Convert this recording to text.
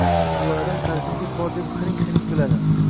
Guvaladan qarzingiz bor deb hiring-hiring kuladi.